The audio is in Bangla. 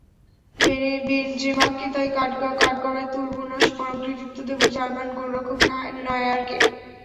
বেনজেমাকে তাই কাঠগড়ায় তুলব না, বরং কৃতিত্ব দেব জার্মান গোলরক্ষক নয়্যারকে।